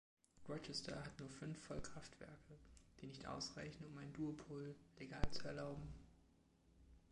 Rochester hat nur fünf Vollkraftwerke, die nicht ausreichen, um ein Duopol legal zu erlauben.